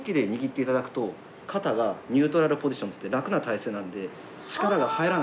肩がニュートラルポジションっつってラクな体勢なので。